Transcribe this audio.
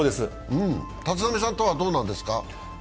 立浪さんとはどうなんですか？